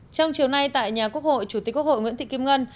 trong chiều nay tại nhà quốc hội chủ tịch quốc hội nguyễn thị kim ngân